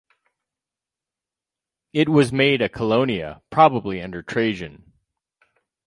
It was made a colonia probably under Trajan.